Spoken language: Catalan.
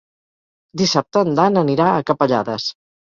Dissabte en Dan anirà a Capellades.